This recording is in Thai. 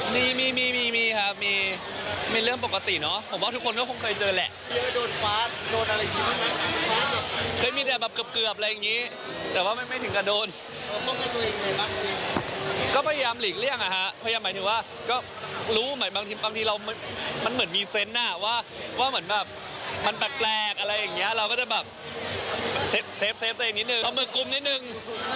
เชฟเตรียมนิดนึงเขามือกลุมนิดนึง